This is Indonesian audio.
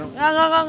enggak enggak enggak